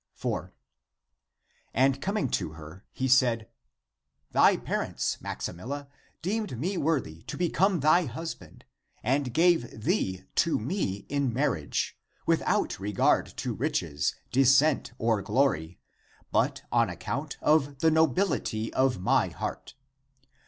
4. And coming to her he said, " Thy parents, Maximilla, deemed me worthy to become thy hus band and gave thee to me in marriage, without re gard to riches, descent, or glory, but on account of the nobility of my heart.